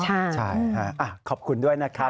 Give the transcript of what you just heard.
ใช่ค่ะขอบคุณด้วยนะครับ